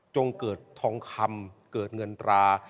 เกิดทองคำเกิดเงินตรา